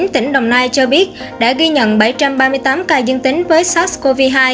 tỉnh đồng nai cho biết đã ghi nhận bảy trăm ba mươi tám ca dương tính với sars cov hai